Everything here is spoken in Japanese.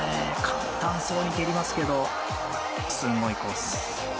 簡単そうに蹴りますけどすごいコース。